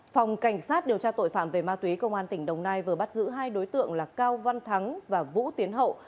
phòng cảnh sát điều tra tội phạm về ma túy công an tỉnh đồng nai vừa bắt giữ hai đối tượng là cao văn thắng và vũ tiến hậu